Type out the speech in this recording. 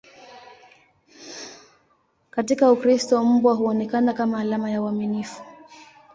Katika Ukristo, mbwa huonekana kama alama ya uaminifu.